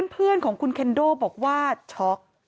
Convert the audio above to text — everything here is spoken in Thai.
เพื่อนของคุณเคนโดบอกว่าช็อก